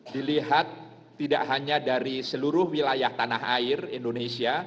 dilihat tidak hanya dari seluruh wilayah tanah air indonesia